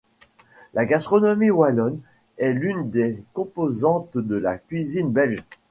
La gastronomie wallonne est l'une des composantes de la cuisine belge.